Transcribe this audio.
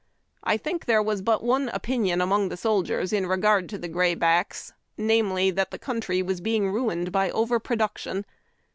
I think there was but one opinion among the soldiers in regard to the graybacks ; viz.^ that the country was being ruined by over produc tion.